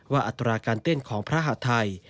อัตราการเต้นของพระหาทัย